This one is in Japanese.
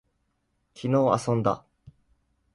昨日遊んだ